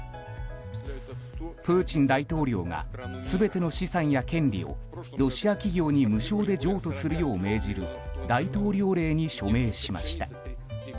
プーチン大統領が全ての資産や権利をロシア企業に無償で譲渡するよう命じる大統領令に署名しました。